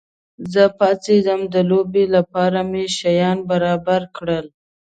زه پاڅېدم، د لوبې لپاره مې شیان برابر کړل.